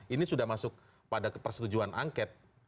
ini sudah masuk pada persetujuan angket